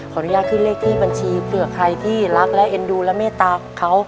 อนุญาตขึ้นเลขที่บัญชีเผื่อใครที่รักและเอ็นดูและเมตตาเขา